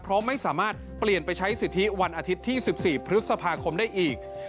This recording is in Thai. เพราะไม่สามารถเปลี่ยนไปใช้สิทธิวันอาทิตย์ที่๑๔พฤษภาคมได้อีก